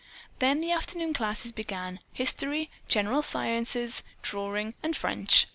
Then the afternoon classes began: History, General Sciences, Drawing, and French.